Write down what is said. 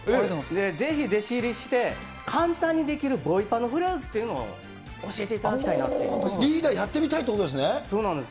ぜひ弟子入りして、簡単にできるボイパのフレーズというのを教えていただきたいなっリーダー、やってみたいってそうなんです。